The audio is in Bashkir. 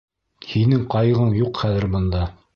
Һинең ҡайғың юҡ хәҙер бында!